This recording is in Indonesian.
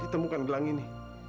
ditemukan gelang ini